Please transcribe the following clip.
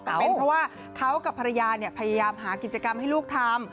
แต่เป็นเพราะว่าเขากับภรรยาพยายามหากิจกรรมให้ลูกทำ